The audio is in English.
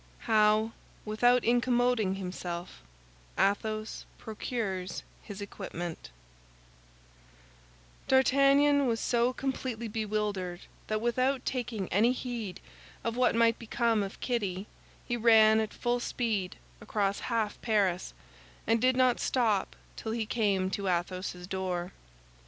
HOW, WITHOUT INCOMMDING HIMSELF, ATHOS PROCURES HIS EQUIPMENT D'Artagnan was so completely bewildered that without taking any heed of what might become of Kitty he ran at full speed across half Paris, and did not stop till he came to Athos's door.